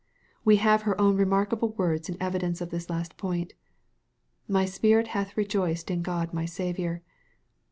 We have ner own remarkable words in evidence of this last point :'' My spirit hath rejoiced in God my Saviour."